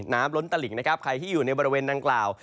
น้ำล้นตะหลิงใครที่อยู่ในบริเวณดังกล่าว